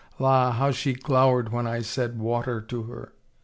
La, how she glowered when I said ' water ' to her